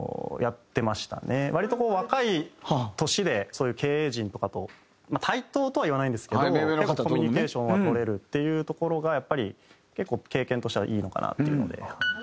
割とこう若い年でそういう経営陣とかと対等とはいわないんですけどコミュニケーションは取れるっていうところがやっぱり結構経験としてはいいのかなというので。